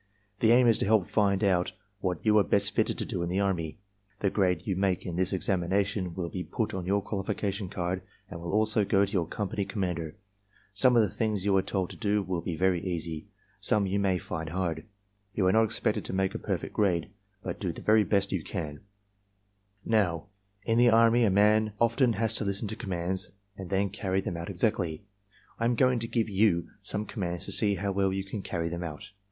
The aim is to help find out what you are best fitted to do in the Army. The grade you make in this examination will be put on your qualification card and will also go to your company commander. Some of the things you are told to do will be very easy. Some you may find hard. You are not expected to make a perfect grade, but do the very best you can. 54 ARMY MENTAL TESTS "Now, in the Army a man often has to listen to commands and then carry them out exactly. I am going to give you some commands to see how well you can carry them out.